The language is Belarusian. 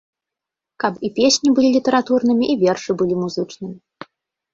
Каб і песні былі літаратурнымі, і вершы былі музычнымі.